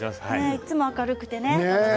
いつも明るくてね。